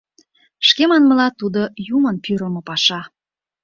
Шке манмыла, тудо юмын пӱрымӧ паша.